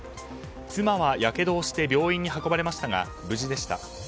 妻はやけどをして病院に運ばれましたが無事でした。